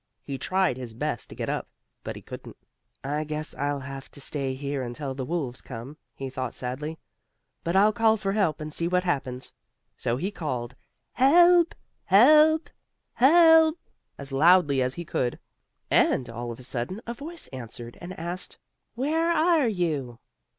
He tried his best to get up, but he couldn't. "I guess I'll have to stay here until the wolves come," he thought, sadly. "But I'll call for help, and see what happens." So he called: "Help! Help! Help!" as loudly as he could. And all of a sudden a voice answered and asked: "Where are you?"